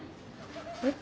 えっ。